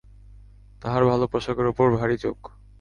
তাঁহার ভাল পোষাকের উপর ভারি ঝোঁক।